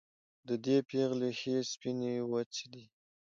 د دې پېغلې ښې سپينې واڅې دي